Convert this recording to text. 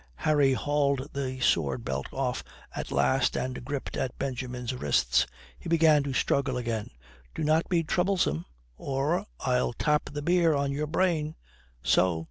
Harry hauled the sword belt off at last and gripped at Benjamin's wrists. He began to struggle again. "Do not be troublesome or I'll tap the beer on your brain. So."